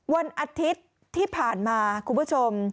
วันอาทิตย์ที่ผ่านมาคุณผู้ชม